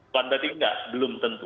pandemi enggak belum tentu